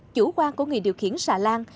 chủ quan của người điều khiển xà lan